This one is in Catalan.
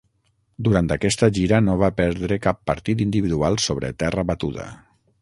Durant aquesta gira no va perdre cap partit individual sobre terra batuda.